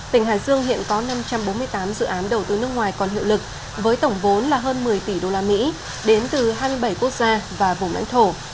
tỉnh hải dương hiện có năm trăm bốn mươi tám dự án đầu tư nước ngoài còn hiệu lực với tổng vốn là hơn một mươi tỷ usd đến từ hai mươi bảy quốc gia và vùng lãnh thổ